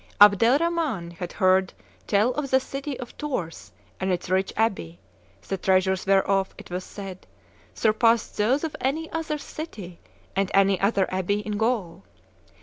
Abdel Rhaman had heard tell of the city of Tours and its rich abbey, the treasures whereof, it was said, surpassed those of any other city and any other abbey in Gaul.